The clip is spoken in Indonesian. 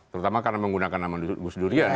terutama karena menggunakan nama gus durian